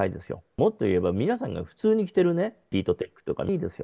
もっと言えば、皆さんが普通に着てるね、ヒートテックとかもいいですよ。